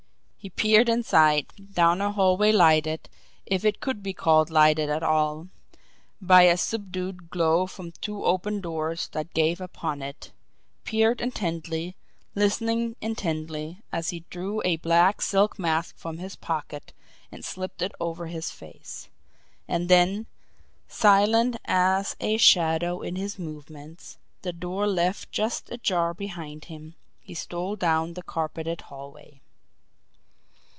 He peered inside down a hallway lighted, if it could be called lighted at all, by a subdued glow from two open doors that gave upon it peered intently, listening intently, as he drew a black silk mask from his pocket and slipped it over his face. And then, silent as a shadow in his movements, the door left just ajar behind him, he stole down the carpeted hallway.